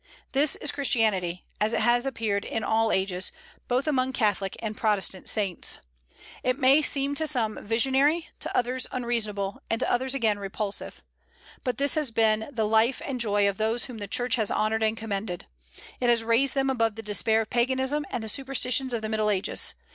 This is Christianity, as it has appeared in all ages, both among Catholic and Protestant saints. It may seem to some visionary, to others unreasonable, and to others again repulsive. But this has been the life and joy of those whom the Church has honored and commended. It has raised them above the despair of Paganism and the superstitions of the Middle Ages.